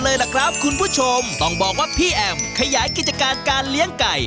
เลยล่ะครับคุณผู้ชมต้องบอกว่าพี่แอมขยายกิจการการเลี้ยงไก่